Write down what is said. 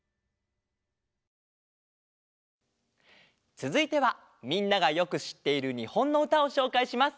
つづいてはみんながよくしっているにほんのうたをしょうかいします。